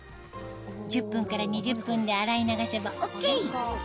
１０分から２０分で洗い流せばＯＫ